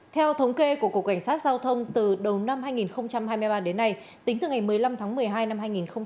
theo thống kê của cục cảnh sát giao thông từ đầu năm hai nghìn hai mươi ba đến nay tính từ ngày một mươi năm tháng một mươi hai năm hai nghìn hai mươi ba